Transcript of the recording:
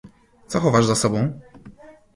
"co chowasz za sobą?"